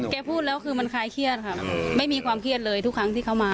พูดแล้วคือมันคลายเครียดค่ะไม่มีความเครียดเลยทุกครั้งที่เขามา